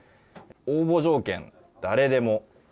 応募条件、誰でも。